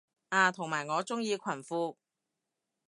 啊同埋我鍾意裙褲